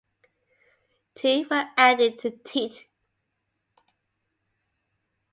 Two were added to Tete.